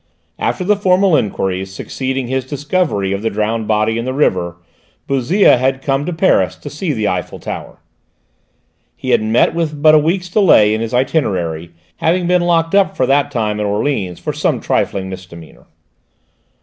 After the formal enquiries succeeding his discovery of the drowned body in the river, Bouzille had come to Paris to see the Eiffel Tower. He had met with but a week's delay in his itinerary, having been locked up for that time at Orleans for some trifling misdemeanour.